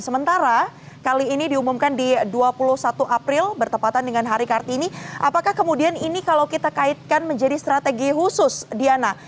sementara kali ini diumumkan di dua puluh satu april bertepatan dengan hari kartini apakah kemudian ini kalau kita kaitkan menjadi strategi khusus diana